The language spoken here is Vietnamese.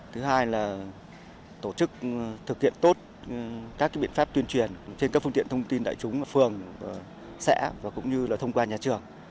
thứ hai là tổ chức thực hiện tốt các biện pháp tuyên truyền trên các phương tiện thông tin đại chúng phường xã và cũng như là thông qua nhà trường